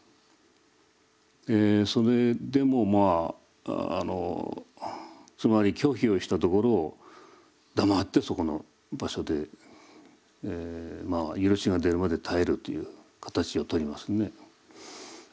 それでもまあつまり拒否をしたところ黙ってそこの場所でまあ許しが出るまで耐えるという形をとりますね。